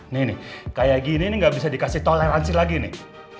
nih nih kayak gini ini nggak bisa dikasih toleransi lagi nih